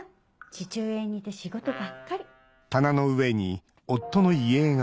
父親に似て仕事ばっかり。